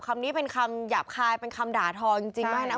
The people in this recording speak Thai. คำนี้เป็นคำหยาบคายเป็นคำด่าทอจริงมากนะ